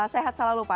sehat selalu pak